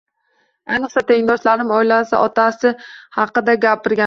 Аyniqsa, tengdoshlarim oilasi, otasi haqida gapirganida.